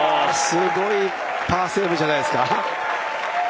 すごいパーセーブじゃないですか。